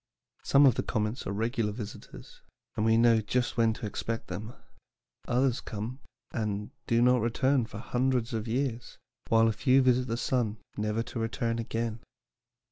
Some of the comets are regular visitors, and we know just when to expect them; others come, and do not return for hundreds of years, while a few visit the sun never to return again."